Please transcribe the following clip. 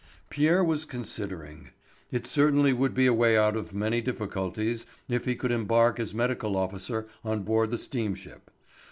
Pierre was considering. It certainly would be a way out of many difficulties if he could embark as medical officer on board the steamship.